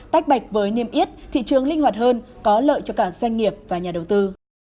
tách bạch với niêm yết thị trường linh hoạt hơn có lợi cho cả doanh nghiệp và nhà đầu tư